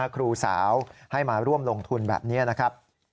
ครูสาวให้มาร่วมลงทุนแบบนี้นะครับ